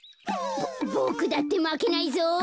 ボクだってまけないゾ。